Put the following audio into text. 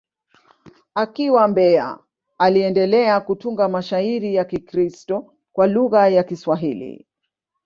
Akiwa Mbeya, aliendelea kutunga mashairi ya Kikristo kwa lugha ya Kiswahili.